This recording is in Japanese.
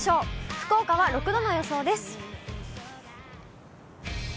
福岡は６度の予想です。